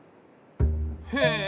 へえ！